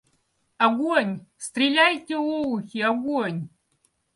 Огонь! Стреляйте, олухи, огонь!